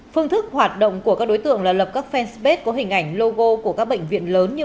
phương thức hoạt động của các đối tượng là lập các fan space có hình ảnh logo của các bệnh viện lớn như